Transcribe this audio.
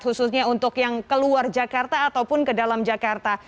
khususnya untuk yang keluar jakarta ataupun ke dalam jakarta